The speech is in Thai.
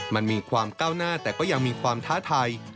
มันมีความก้าวหน้าแต่ก็ยังมีความท้าทาย